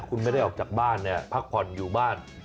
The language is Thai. คุณไม่ได้ออกจากบ้านเนี่ยพักผ่อนอยู่บ้าน